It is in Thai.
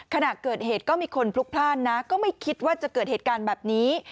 ขณะเกิดเหตุก็มีคนพลุกพลาดนะก็ไม่คิดว่าจะเกิดเหตุการณ์แบบนี้